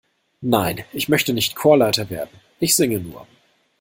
Nein, ich möchte nicht Chorleiter werden, ich singe nur.